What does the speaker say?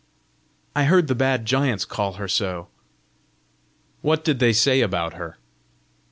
"I heard the bad giants call her so." "What did they say about her?"